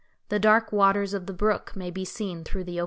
The dark waters of the brook may be seen through the opening.